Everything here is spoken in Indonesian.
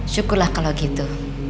syukurlah kalau gitu